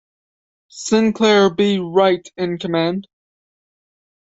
Sinclair B. Wright in command.